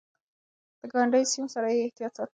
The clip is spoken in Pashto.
د ګاونډيو سيمو سره يې احتياط ساته.